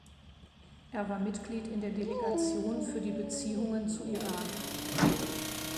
Er war Mitglied in der Delegation für die Beziehungen zu Iran.